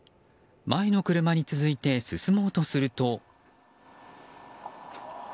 前の車に続いて進もうとすると。